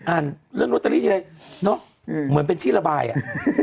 อ่านเรื่องลอตเตอรี่อะไรเนอะเหมือนเป็นที่ระบายอ่ะ